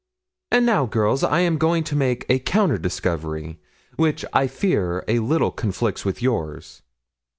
'And now, girls, I am going to make a counter discovery, which, I fear, a little conflicts with yours.